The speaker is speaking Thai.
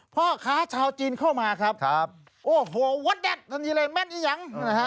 เพราะขาชาวจีนเข้ามาครับโอ้โหวั๊ดแดดนี่เลยแม่นอย่าง